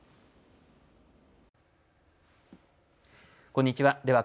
こんにちは。